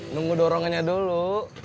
nunggu dorongannya dulu